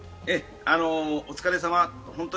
お疲れさま。